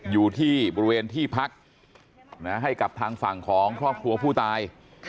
อยู่ที่บริเวณที่พักให้กับทางฝั่งของครอบครัวผู้ตาย